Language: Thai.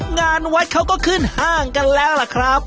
งานวัดเขาก็ขึ้นห้างกันแล้วล่ะครับ